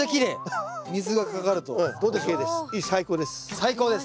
最高です。